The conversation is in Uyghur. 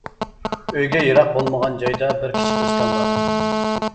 ئۆيگە يىراق بولمىغان جايدا بىر كىچىك ئۆستەڭ بار.